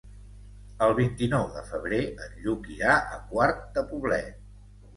El vint-i-nou de febrer en Lluc irà a Quart de Poblet.